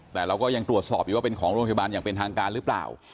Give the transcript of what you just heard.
แต่เราก็ยังตรวจสอบอยู่ว่าเป็นของโรงพยาบาลอย่างเป็นทางการหรือเปล่า